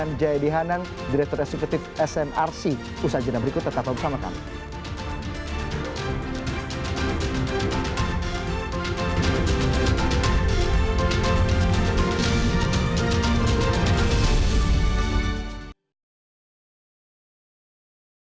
dan juga apakah nanti hasilnya akan membuat erlangga dan golkar tersenyum atau justru kembali ke kami